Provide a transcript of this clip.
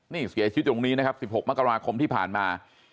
นี่เสียชีวิตตรงนี้นะครับ๑๖มกราคมที่ผ่านมา